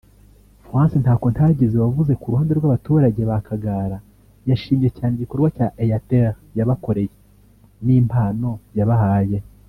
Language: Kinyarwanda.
Florence Ntakontagize wavuze ku ruhande rw’abaturage ba Kagara yashimye cyane igikorwa Airtel yabakoreye n’impano yabahaye